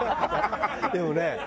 でもね